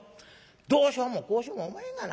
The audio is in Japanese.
「どうしよもこうしよもおまへんがな。